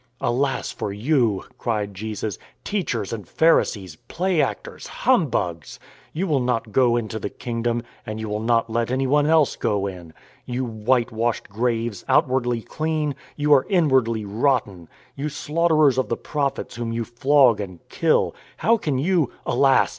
"Alas for you!" cried Jesus. "Teachers and Pharisees, play actors, humbugs. You will not go into the Kingdom, and you will not let anyone else go in. You white washed graves, outwardly clean, you are inwardly rotten. You slaughterers of the prophets whom you flog and kill ; how can you — alas !